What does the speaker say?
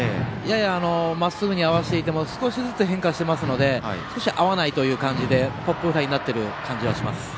まっすぐに合わせていても少しずつ変化していますので少し合わないという感じでポップフライになっている感じがあります。